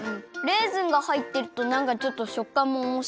レーズンがはいってるとなんかちょっとしょっかんもおもしろくなる。